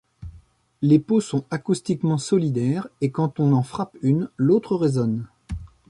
Les peaux sont acoustiquement solidaires et quand on en frappe une, l'autre résonne.